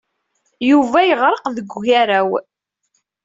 Yuba yeɣreq deg ugaraw.